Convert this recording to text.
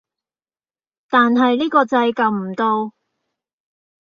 但係呢個掣撳唔到